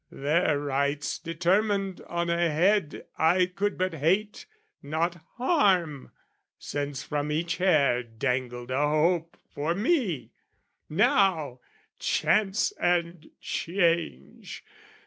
Their rights determined on a head "I could but hate, not harm, since from each hair "Dangled a hope for me: now chance and change!